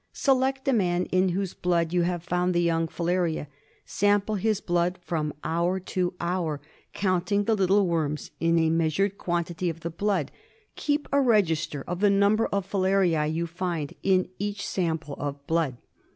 Select a man in whose blood you have found the young filaria. Sample his blood from hour to hour, counting the little worms in a measured quantity of the blood. Keep a register of the number of filariae you find in each sample of blood.